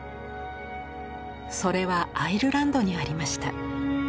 それはアイルランドにありました。